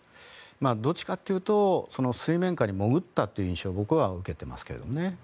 どっちかというと水面下に潜ったという印象を僕は受けてますけどね。